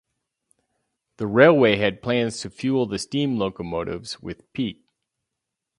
The railway had plans to fuel the steam locomotives with peat.